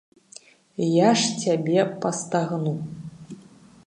Я ж цябе пастагну!